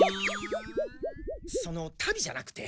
その「たび」じゃなくて。